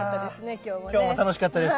今日も楽しかったです。